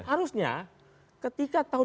harusnya ketika tahun dua ribu dua